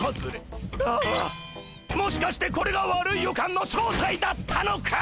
あもしかしてこれが悪い予感の正体だったのか！